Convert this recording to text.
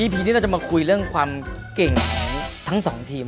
พีนี้เราจะมาคุยเรื่องความเก่งของทั้งสองทีม